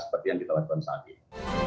seperti yang kita lakukan saat ini